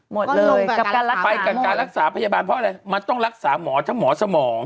หมดเลยไปกระการรักษาพยาบาลเพราะอะไรมันต้องรักษาหมอทั้งหมอสมอง